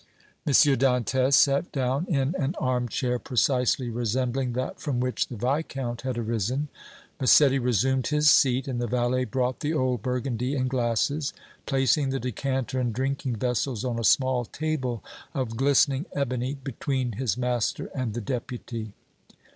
M. Dantès sat down in an arm chair precisely resembling that from which the Viscount had arisen; Massetti resumed his seat and the valet brought the old Burgundy and glasses, placing the decanter and drinking vessels on a small table of glistening ebony between his master and the Deputy.